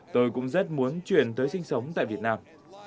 tôi cũng rất muốn chuyển tới sinh sống tại việt nam